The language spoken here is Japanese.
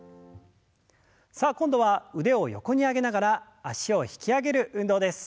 さあ今度は腕を横に上げながら脚を引き上げる運動です。